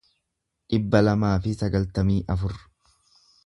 dhibba lamaa fi sagaltamii afur